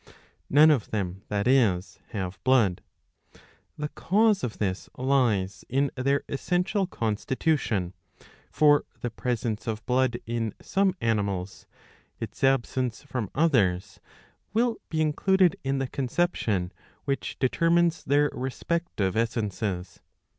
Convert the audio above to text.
None of them, that is, have blood. The cause of this lies in their essential constitution. For the presence of blood in some animals, its absence from others, will be included in the conception which determines their respective essences.